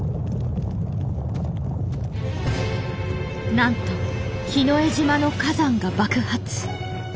なんとヒノエ島の火山が爆発。